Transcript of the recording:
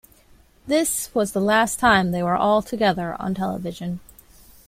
This was the last time they were all together on television.